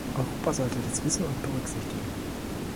Europa sollte das wissen und berücksichtigen.